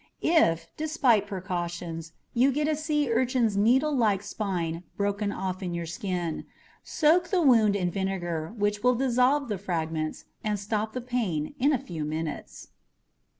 If, despite precautions, you get a sea urchin's needlelike spine broken off in your skin, soak the wound in vinegar which will dissolve the fragments and stop the pain in a few minutes.